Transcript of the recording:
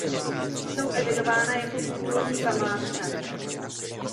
Jsou evidována jako kulturní památka.